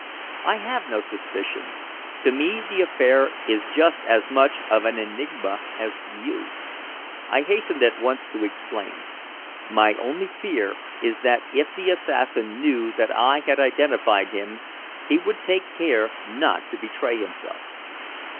"I have no suspicions. To me the affair is just as much of an enigma as to you," I hastened at once to explain. "My only fear is that if the assassin knew that I had identified him he would take care not to betray himself."